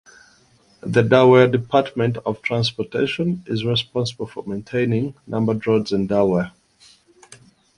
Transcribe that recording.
The Delaware Department of Transportation is responsible for maintaining numbered roads in Delaware.